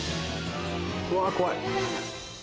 うわ怖い。